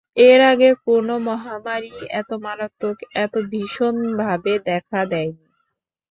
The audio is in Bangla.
এর আগে কোনো মহামারীই এত মারাত্মক, এত ভীষণভাবে দেখা দেয়নি।